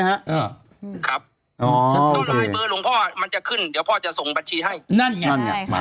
มดคำ